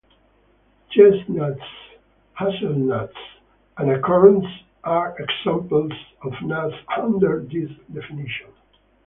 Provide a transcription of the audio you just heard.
Chestnuts, hazelnuts, and acorns are examples of nuts under this definition.